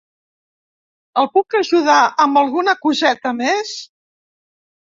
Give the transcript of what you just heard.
El puc ajudar amb alguna coseta més?